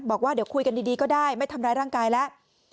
บอกว่าเดี๋ยวคุยกันดีก็ได้ไม่ทำร้ายร่างกายแล้ว